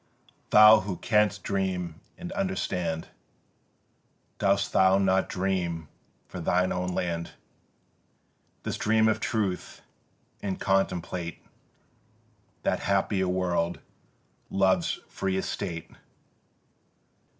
Thou who canst dream and understand, Dost thou not dream for thine own land This dream of Truth, and contemplate That happier world, Love's free Estate?